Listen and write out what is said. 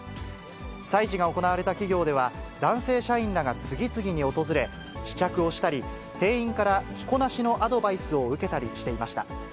催事が行われた企業では、男性社員らが次々と訪れ、試着をしたり、店員から着こなしのアドバイスを受けたりしていました。